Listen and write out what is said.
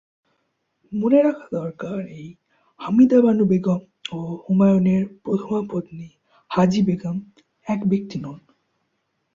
মনে রাখা দরকার, এই হামিদা বানু বেগম ও হুমায়ুনের প্রথমা পত্নী হাজি বেগম এক ব্যক্তি নন।